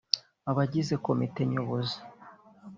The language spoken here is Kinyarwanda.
Abagize Komite Nyobozi